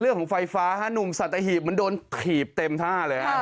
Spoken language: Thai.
เรื่องของไฟฟ้าฮะหนุ่มสัตหีบมันโดนถีบเต็มท่าเลย